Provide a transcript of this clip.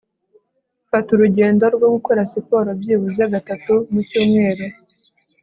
Mfata urugendo rwo gukora siporo byibuze gatatu mu cyumweru